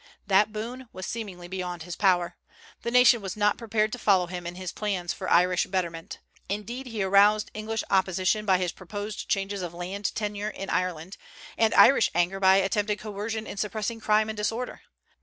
That boon was seemingly beyond his power. The nation was not prepared to follow him in his plans for Irish betterment. Indeed, he aroused English opposition by his proposed changes of land tenure in Ireland, and Irish anger by attempted coercion in suppressing crime and disorder.